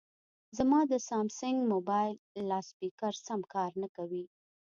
زما د سامسنګ مبایل لاسپیکر سم کار نه کوي